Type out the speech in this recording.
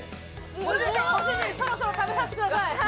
そろそろ食べさせてください。